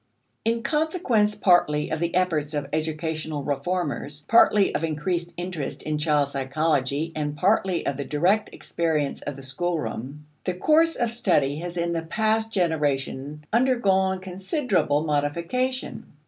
In consequence partly of the efforts of educational reformers, partly of increased interest in child psychology, and partly of the direct experience of the schoolroom, the course of study has in the past generation undergone considerable modification.